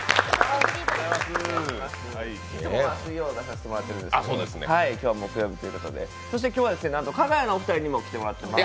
いつもは水曜、出させてもらっていますけど、今日は木曜日ということでそして今日はかが屋のお二人にも来ていただいています。